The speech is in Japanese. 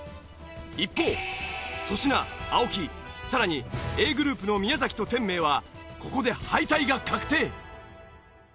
一方粗品青木さらにＡグループの宮崎と天明はここで敗退が確定。